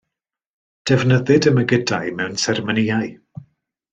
Defnyddid y mygydau mewn seremonïau.